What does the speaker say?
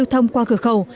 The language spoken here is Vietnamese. giao thông qua cửa khẩu